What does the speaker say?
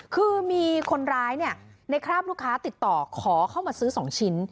คือมีคนร้ายในคราบลูกค้าติดต่อขอเข้ามาซื้อ๒ชิ้น